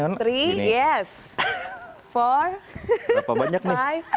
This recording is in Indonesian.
berapa banyak nih